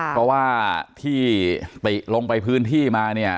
เพราะว่าที่ติลงไปพื้นที่มาเนี่ย